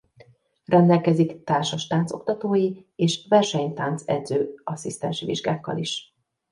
Rendelkezik társastánc-oktatói és versenytánc-edző asszisztensi vizsgákkal is.